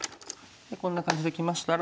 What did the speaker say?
こんな感じできましたら。